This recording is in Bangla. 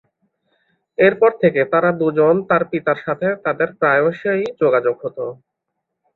এরপর থেকে তারা দুজন তার পিতার সাথে তাদের প্রায়শই যোগাযোগ হত।